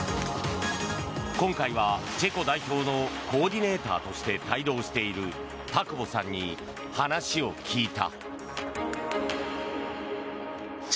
今回はチェコ代表のコーディネーターとして帯同している田久保さんに話を聞いた。